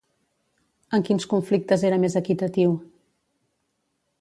En quins conflictes era més equitatiu?